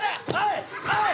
おい！